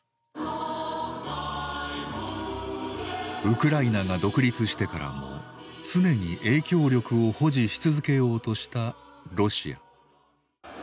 ウクライナが独立してからも常に影響力を保持し続けようとしたロシア。